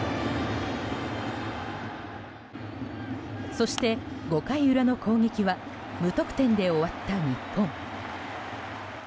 そして、５回裏の攻撃は無得点で終わった日本。